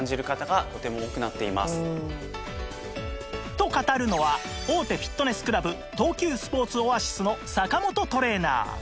と語るのは大手フィットネスクラブ東急スポーツオアシスの坂本トレーナー